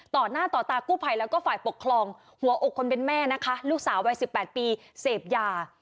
ต่อหน้าต่อตากู้ภัยแล้วก็ฝ่ายปกครองหัวอกคนเป็นแม่นะคะลูกสาววัย๑๘ปีเสพยา